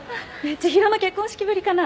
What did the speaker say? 千広の結婚式ぶりかな。